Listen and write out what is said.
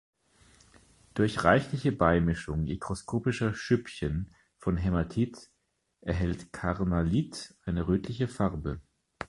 Durch reichliche Beimischung mikroskopischer Schüppchen von Hämatit erhält Carnallit eine rötliche Farbe.